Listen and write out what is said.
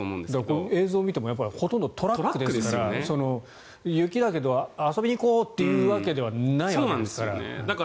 映像を見てもほとんどトラックですから雪だけど遊びに行こうというわけではないですから。